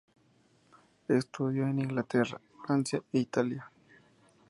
Estudió en Inglaterra, Francia e Italia.